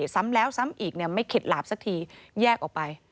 ซ้ำแล้วซ้ำอีกไม่เข็ดหลาบสักทีแยกออกไป